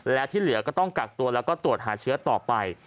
และที่เหลือก็ต้องกักตัวแล้วก็ตรวจหาเชื้อต่อไป